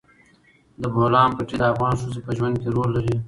د بولان پټي د افغان ښځو په ژوند کې رول لري.